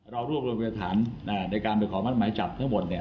เรารวมรวมวิทยาฐานในการบริขอมันไม้จับทั้งหมด